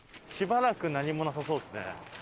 しばらく何もなさそうですね。